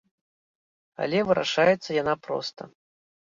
Але вырашаецца яна проста.